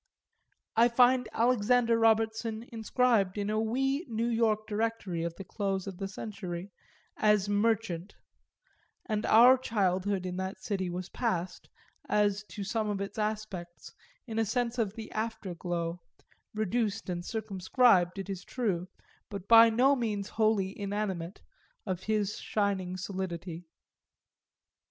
I find Alexander Robertson inscribed in a wee New York directory of the close of the century as Merchant; and our childhood in that city was passed, as to some of its aspects, in a sense of the afterglow, reduced and circumscribed, it is true, but by no means wholly inanimate, of his shining solidity.